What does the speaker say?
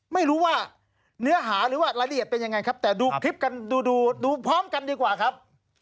ไม่รู้ว่าเนื้อหาหรือว่ารายละเอียดเป็นยังไงครับแต่ดูคลิปกันดูดูพร้อมกันดีกว่าครับ